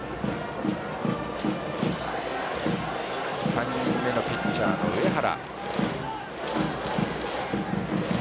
３人目のピッチャーの上原。